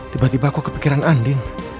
tiba tiba kau kepikiran andin